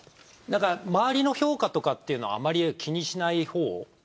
周りの評価とかっていうのはあまり気にしないほう？